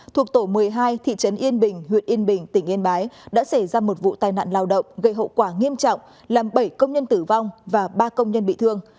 thuộc tổ một mươi hai thị trấn yên bình huyện yên bình tỉnh yên bái đã xảy ra một vụ tai nạn lao động gây hậu quả nghiêm trọng làm bảy công nhân tử vong và ba công nhân bị thương